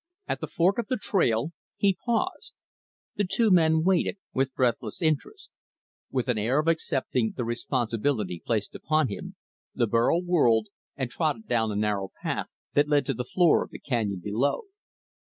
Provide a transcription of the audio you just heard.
At the fork of the trail, he paused. The two men waited with breathless interest. With an air of accepting the responsibility placed upon him, the burro whirled and trotted down the narrow path that led to the floor of the canyon below.